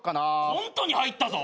コントに入ったぞ！